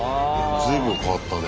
随分変わったね。